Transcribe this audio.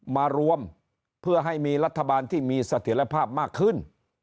มารวมเพื่อให้มีรัฐบาลที่มีเสถียรภาพมากขึ้น